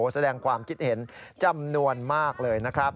แสดงความคิดเห็นจำนวนมากเลยนะครับ